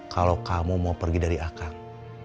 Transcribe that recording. kalau kamu mau pergi dari akar